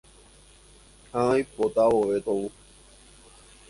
Ág̃a oipota vove tou